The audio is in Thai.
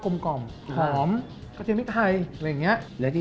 กลมกล่อมหอมกระเทียมนิกไทยอะไรอย่างเงี้ยและที่